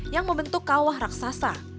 yang membentuk kawah raksasa